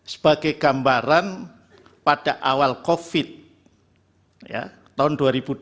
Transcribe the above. sebagai gambaran pada awal covid tahun dua ribu dua puluh